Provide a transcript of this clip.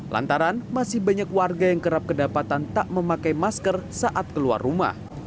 lantaran masih banyak warga yang kerap kedapatan tak memakai masker saat keluar rumah